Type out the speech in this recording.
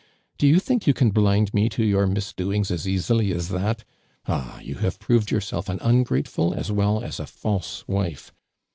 Po you think you can blind me to your misdoings as easily as that ! Ah, you have i)roved yourself an un grateful as well as a false wife.